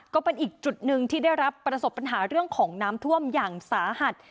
ก็เป็นอีกจุดหนึ่งที่ได้รับประสบปัญหาเรื่องของน้ำท่วมอย่างสาหัส